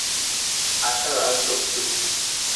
আশা রাজলক্ষ্মীকে বুঝিত।